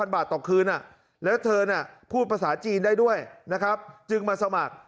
๔๕๐๐๐บาทต่อคืนแล้วเธอพูดภาษาจีนได้ด้วยจึงมาสมัคร